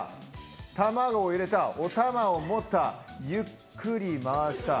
卵を入れた、おたまを持った、ゆっくり回した。